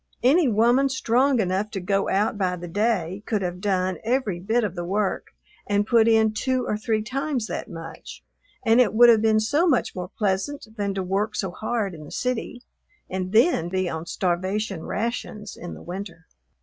Any woman strong enough to go out by the day could have done every bit of the work and put in two or three times that much, and it would have been so much more pleasant than to work so hard in the city and then be on starvation rations in the winter.